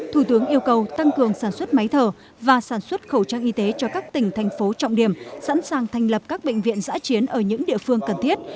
thủ tướng yêu cầu tăng cường sản xuất máy thở và sản xuất khẩu trang y tế cho các tỉnh thành phố trọng điểm sẵn sàng thành lập các bệnh viện giã chiến ở những địa phương cần thiết